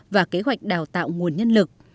và kế hoạch đào tạo nguồn nhân lực